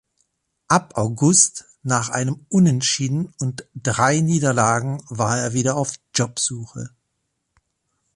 Ab August, nach einem Unentschieden und drei Niederlagen, war er wieder auf Jobsuche.